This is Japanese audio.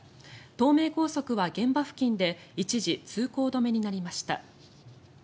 東名高速は現場付近で一時、通行止めになりました。